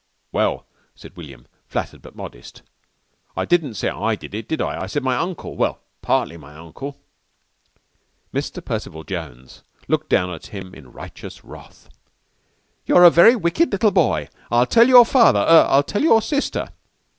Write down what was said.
"Well," said William, flattered but modest, "I didn't say I did it, did I? I said my uncle well, partly my uncle." Mr. Percival Jones looked down at him in righteous wrath. "You're a very wicked little boy. I'll tell your father er I'll tell your sister."